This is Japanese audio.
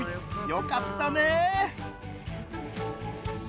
よかったね！